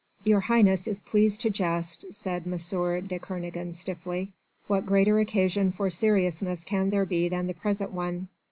"Your Highness is pleased to jest," said M. de Kernogan stiffly. "What greater occasion for seriousness can there be than the present one.